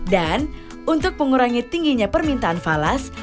dan untuk mengurangi tingginya permintaan falas